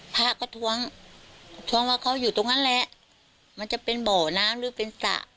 พระก็ท้วงท้วงว่าเขาอยู่ตรงนั้นแหละมันจะเป็นบ่อน้ำหรือเป็นสระ